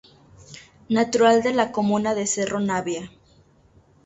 Natural de la comuna de Cerro Navia.